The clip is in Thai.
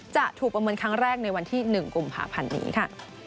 จะถูกประเมินครั้งแรกในวันที่๑กุมภาพันธ์นี้ค่ะ